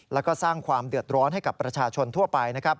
แล้วก็สร้างความเดือดร้อนให้กับประชาชนทั่วไปนะครับ